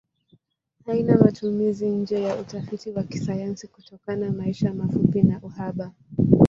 Haina matumizi nje ya utafiti wa kisayansi kutokana maisha mafupi na uhaba.